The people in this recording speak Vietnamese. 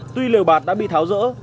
tuy liều bạt đã bị tháo rỡ